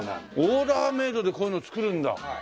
オーダーメイドでこういうの作るんだ。